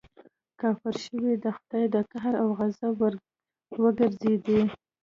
کافر شوې د خدای د قهر او غضب وړ وګرځېدې.